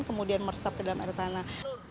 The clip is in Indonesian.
kemudian meresap ke dalam air tanah